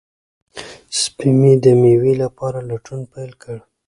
سپی مې د مېوې لپاره لټون پیل کړ.